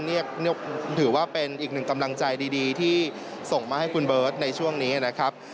นี่ถือว่าเป็นอีกหนึ่งกำลังใจดีที่ส่งมาให้คุณเบิร์ตในช่วงนี้นะครับ